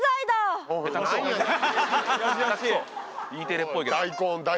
「Ｅテレ」っぽいけど。